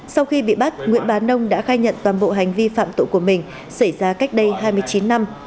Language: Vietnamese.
sau khi bị bắt nguyễn bá nông đã khai nhận toàn bộ hành vi phạm tội của mình xảy ra cách đây hai mươi chín năm